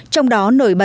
trong đó nổi bật